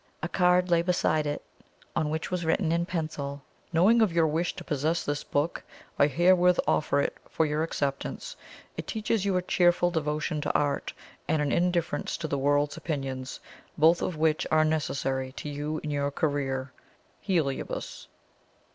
A card lay beside it, on which was written in pencil: "Knowing of your wish to possess this book, I herewith offer it for your acceptance. It teaches you a cheerful devotion to Art, and an indifference to the world's opinions both of which are necessary to you in your career. HELIOBAS."